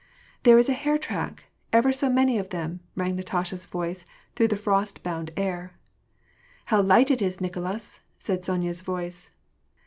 " There is a hare track ! Ever so many of them !" rang Natasha's voice through the frost bound air, " How light it is, Nicolas !" said Sonya's voice.